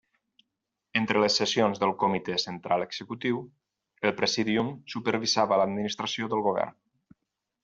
Entre les sessions del Comitè Central Executiu, el Presídium supervisava l'administració del govern.